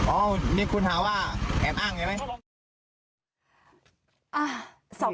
อ้าวนี่คุณหาว่าแอบอ้างไงไหม